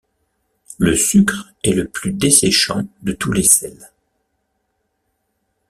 Le sucre est le plus desséchant de tous les sels.